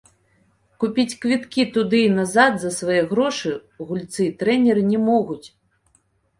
Купіць квіткі туды і назад за свае грошы гульцы і трэнеры не могуць.